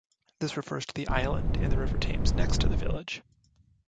This refers to the island in the River Thames next to the village.